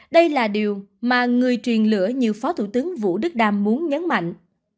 đây là điều mà người truyền lửa như phó thủ tướng vũ đức đam muốn nhấn mạnh